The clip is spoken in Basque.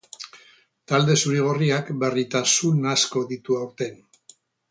Talde zuri-gorriak berritasun asko ditu aurten.